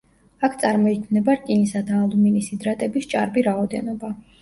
აქ წარმოიქმნება რკინისა და ალუმინის ჰიდრატების ჭარბი რაოდენობა.